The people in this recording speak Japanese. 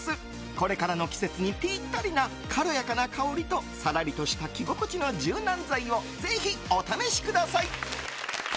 これからの季節にぴったりな軽やかな香りとさらりとした着心地の柔軟剤をぜひお試しください。